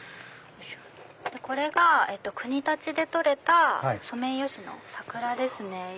これが国立で採れたソメイヨシノ桜ですね。